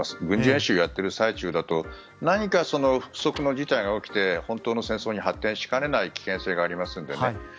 軍事演習をやってる最中だと何か不測の事態が起きて本当の戦争に発展しかねない危険性がありますので。